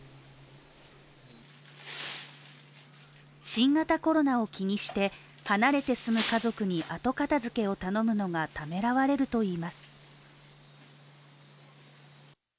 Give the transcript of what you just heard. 新型コロナを気にして、離れて住む家族に後片づけを頼むのがためらわれるといいます。